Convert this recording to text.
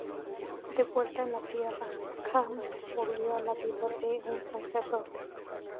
De vuelta en la Tierra, Kan volvió a la vida de un sacerdote.